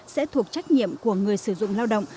sẽ thuộc trách nhiệm của người sử dụng lao động